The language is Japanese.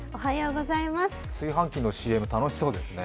炊飯のＣＭ、楽しそうですね。